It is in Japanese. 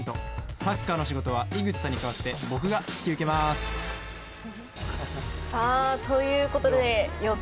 サッカーの仕事は井口さんに代わって僕が引き受けます。ということで予想